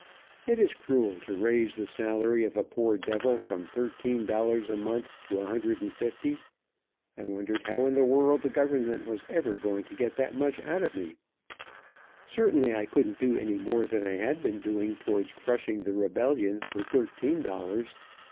It is cruel to raise the salary of a poor devil from thirteen dollars a month to a hundred and fifty. I wondered how in the world the government was ever going to get that much out of me. Certainly I couldn't do any more than I had been doing towards crushing the rebellion for thirteen dollars.